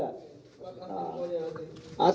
plat antik poinnya hati